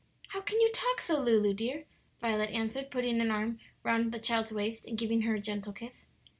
"How can you talk so, Lulu dear?" Violet answered, putting an arm round the child's waist and giving her a gentle kiss.